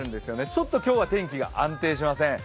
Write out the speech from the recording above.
ちょっと今日は天気が安定しません。